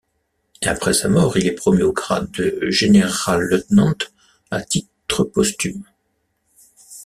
Après sa mort, il est promu au grade de Generalleutnant à titre posthume.